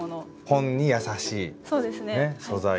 本に優しい素材で。